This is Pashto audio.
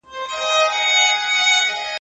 په خپلو کارونو کې ایماندار اوسئ.